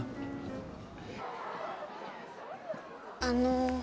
あの。